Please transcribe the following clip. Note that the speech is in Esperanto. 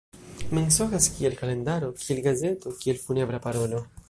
Mensogas kiel kalendaro; kiel gazeto; kiel funebra parolo.